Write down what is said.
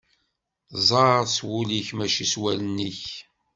Ẓer s wul-ik mačči s wallen-ik.